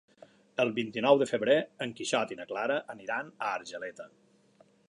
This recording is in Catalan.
El vint-i-nou de febrer en Quixot i na Clara aniran a Argeleta.